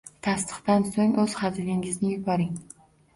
- Tasdiqdan so'ng, o'z hazilingizni yuboring!